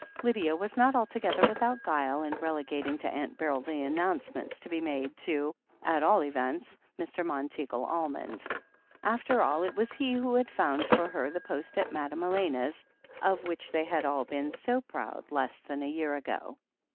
Lydia was not altogether without guile in relegating to Aimt Beryl the announcements to be made to, at all events, Mr. Monteagle Almond. After all, it was he who had found for her the post at Madame Elena's, of which they had all been so proud less than a year ago.